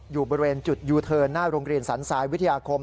อยู่บริเวณจุดยูเทิร์นหน้าโรงเรียนสันทรายวิทยาคม